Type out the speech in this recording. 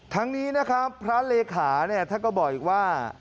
ทั้งนี้นะครับพระเลขาเนี่ยท่านก็บอกอีกว่า